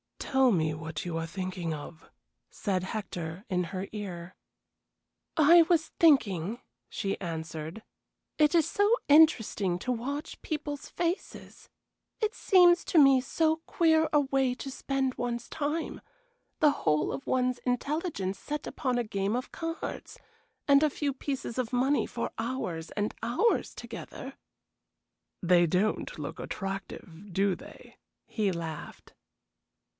"Tell me what you are thinking of?" said Hector, in her ear. "I was thinking," she answered, "it is so interesting to watch people's faces. It seems to me so queer a way to spend one's time, the whole of one's intelligence set upon a game of cards and a few pieces of money for hours and hours together." "They don't look attractive, do they?" he laughed.